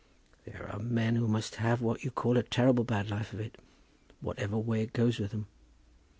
"There are men who must have what you call a terribly bad life of it, whatever way it goes with them.